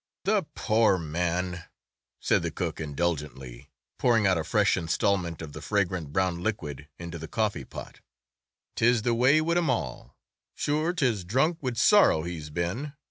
"The pore man!" said the cook indulgently, pouring out a fresh installment of the fragrant brown liquid into the coffee pot. "'Tis the way wid 'em all; sure 'tis drunk wid sorrow he's been!